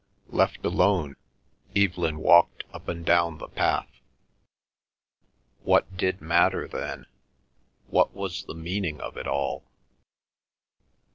Left alone, Evelyn walked up and down the path. What did matter then? What was the meaning of it all?